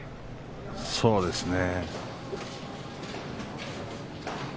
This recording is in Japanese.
そうですね。